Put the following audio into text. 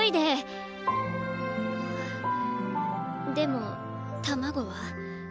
あでも卵は？